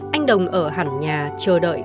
anh đồng ở hẳn nhà chờ đợi